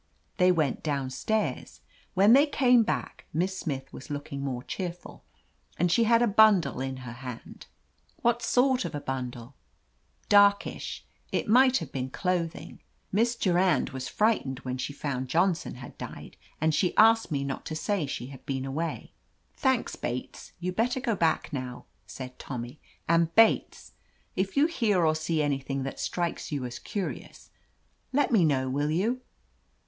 "They went down stairs. When they came back Miss Smith was looking more cheerful, and she had a bundle in her hand." "What sort of a bundle ?" "Darkish. It might have been clothing. Miss Durand was frightened when she found 97 1 t THE AMAZING ADVENTURES Johnson had died, and she asked me not to say she had been away." "Thanks^ Bates. You'd better go back now," said Tommy, "and Bates, if you hear or see anything that strikes you as curious, let me know, will you?"